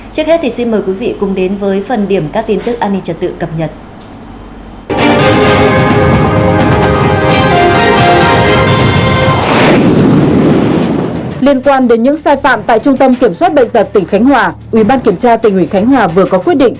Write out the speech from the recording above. trước hết thì xin mời quý vị cùng đến với phần điểm các tin tức an ninh trật tự cập nhật